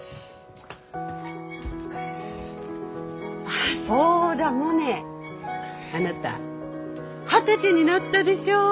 ああそうだモネあなた二十歳になったでしょ！